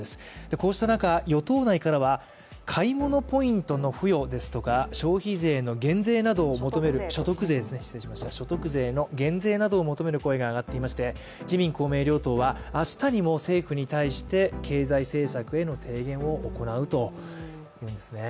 こうした中、与党内からは買い物ポイントの付与ですとか、所得税の減税などを求める声が上がっていまして自民・公明両党は明日にも政府に対して経済政策への提言を行うということですね。